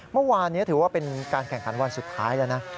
เมื่อวานนี้ถือว่าเป็นการแข่งขันวันสุดท้ายแล้วนะ